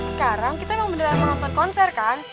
sekarang kita emang beneran nonton konser kan